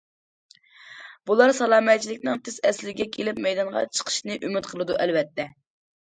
بۇلار سالامەتلىكىنىڭ تېز ئەسلىگە كېلىپ مەيدانغا چىقىشىنى ئۈمىد قىلىدۇ ئەلۋەتتە!